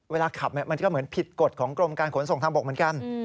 เวลาขับมันก็เหมือนผิดกฎของกรมการขนส่งทางบกเหมือนกัน